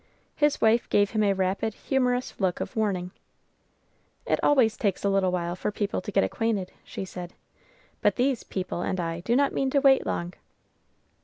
His wife gave him a rapid, humorous look of warning. "It always takes a little while for people to get acquainted," she said; "but these 'people' and I do not mean to wait long."